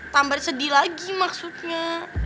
tambah sedih lagi maksudnya